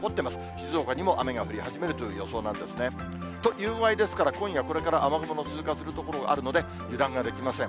静岡にも雨が降り始めるという予想なんですね。という具合ですから、今夜これから雨雲の通過する所あるので、油断ができません。